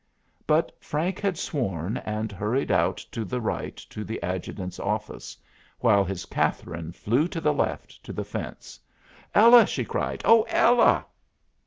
But Frank had sworn and hurried out to the right to the Adjutant's office, while his Catherine flew to the left to the fence. "Ella!" she cried. "Oh, Ella!"